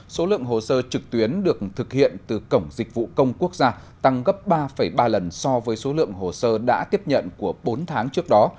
số lượng hồ sơ trực tuyến được thực hiện từ cổng dịch vụ công quốc gia tăng gấp ba ba lần so với số lượng hồ sơ đã tiếp nhận của bốn tháng trước đó